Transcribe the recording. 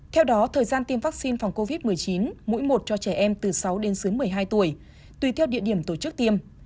theo đó thời gian tiêm vaccine phòng covid một mươi chín mũi một cho trẻ em từ sáu đến dưới một mươi hai tuổi tùy theo địa điểm tổ chức tiêm